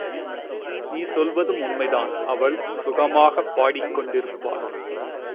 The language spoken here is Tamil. நீ சொல்வதும் உண்மைதான் அவள் சுகமாகப் பாடிக் கொண்டிருப்பாள்.